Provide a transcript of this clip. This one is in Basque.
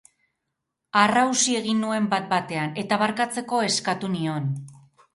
Aharrausi egin nuen bat-batean, eta barkatzeko eskatu nion.